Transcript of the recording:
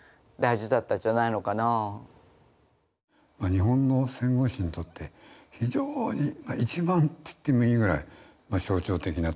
日本の戦後史にとって非常に一番っつってもいいぐらい象徴的な年だったと思うんですね。